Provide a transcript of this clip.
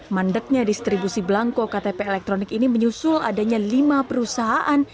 mandeknya distribusi belangko ktp elektronik ini menyusul adanya lima perusahaan